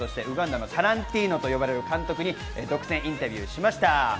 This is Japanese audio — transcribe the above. ウガンダのタランティーノと呼ばれる監督に独占インタビューしました。